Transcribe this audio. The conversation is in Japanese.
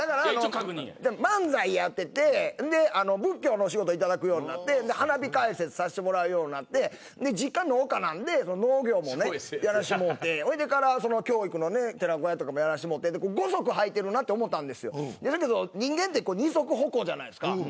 漫才やってて仏教のお仕事をいただくようになって花火解説をさせてもらうようになって実家が農家なんで農業やらしてもらって教育の寺子屋とかやらしてもらって５足履いているなと思ったんですけど人間は二足歩行じゃないですか。